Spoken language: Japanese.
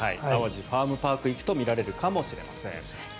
淡路ファームパークに行くと見られるかもしれません。